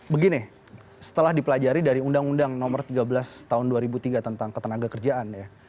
begini setelah dipelajari dari undang undang nomor tiga belas tahun dua ribu tiga tentang ketenaga kerjaan ya